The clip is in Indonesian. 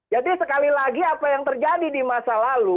jadi sekali lagi apa yang terjadi di masa lalu